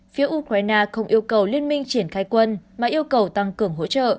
phía ukraine không yêu cầu liên minh triển khai quân mà yêu cầu tăng cường hỗ trợ